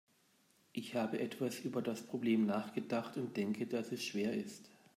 Ich habe etwas über das Problem nachgedacht und denke, dass es schwer ist.